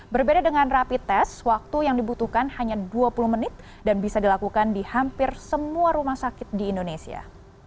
berbeda dengan rapid test waktu yang dibutuhkan hanya dua puluh menit dan bisa dilakukan di hampir semua rumah sakit di indonesia